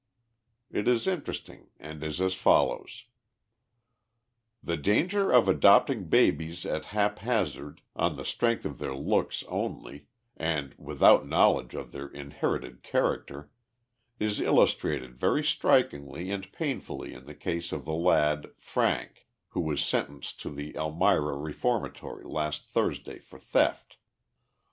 It is in teresting and is as follows : The danger of adopting babies at hap hazzard, on the strength of their looks only, and without knowledge of their inherited character, is illustrated very strikingly and painfully in the case of the lad Frank "" who was sentenced to the Elmira Reformatory last Thursday for theft.